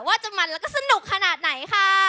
ว่าจะมันแล้วก็สนุกขนาดไหนค่ะ